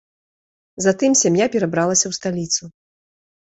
Затым сям'я перабралася ў сталіцу.